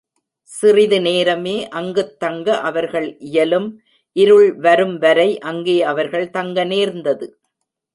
சிறிது நேரமே அங்குத் தங்க அவர்கள் இயலும் இருள் வரும் வரை அங்கே அவர்கள் தங்க நேர்ந்தது.